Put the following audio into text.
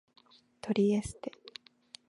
トリエステ